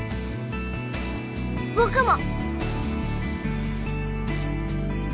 僕も。